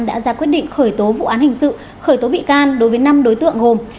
đã ra quyết định khởi tố vụ án hình sự khởi tố bị can đối với năm đối tượng gồm